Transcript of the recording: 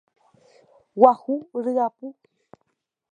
Guahu ryapu.